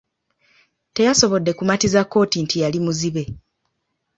Teyasobodde kumatiza kkooti nti yali muzibe.